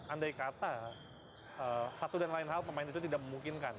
andai kata satu dan lain hal pemain itu tidak memungkinkan